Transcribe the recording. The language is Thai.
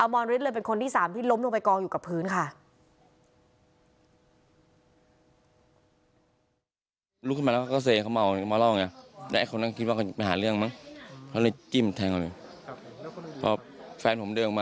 มรฤทธิเลยเป็นคนที่๓ที่ล้มลงไปกองอยู่กับพื้นค่ะ